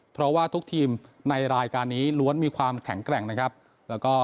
เพราะว่าทุกทีมในรายการนี้ล้วนมีความแข็งแกร่งนะครับแล้วก็